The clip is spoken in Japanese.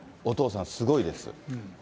お父さん、すごいです。